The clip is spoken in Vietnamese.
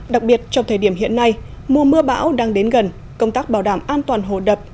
đặc biệt trong thời điểm hiện nay mùa mưa bão đang đến gần công tác bảo đảm an toàn hồ đập